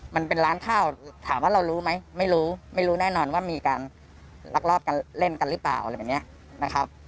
มันเป็นร้านข้าวถามว่าเรารู้ไหมไม่รู้ไม่รู้แน่นอนว่ามีการลักลอบกันเล่นกันหรือเปล่าอะไรแบบนี้นะครับ